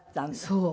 そう。